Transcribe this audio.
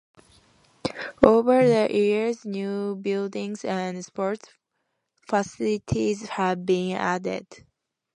Over the years new buildings and sports facilities have been added.